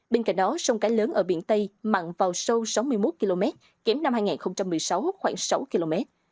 bên cạnh đó sông cái lớn ở biển tây mặn vào sâu sáu mươi một km kém năm hai nghìn một mươi sáu khoảng sáu km